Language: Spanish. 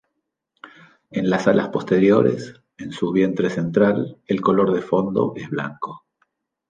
En las alas posteriores en su vista ventral, el color de fondo es blanco.